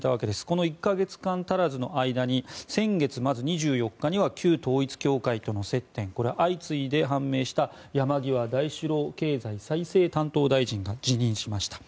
この１か月間足らずの間に先月２４日には旧統一教会との接点が相次いで判明した山際大志郎経済再生担当大臣が辞任しました。